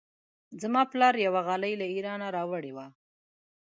زما پلار یوه غالۍ له ایران راوړې وه.